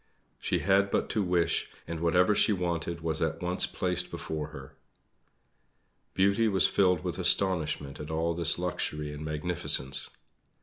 She had but to wish, and whatever she wanted was at once placed before her. Beauty was filled with astonishment at all this luxury and magnificence.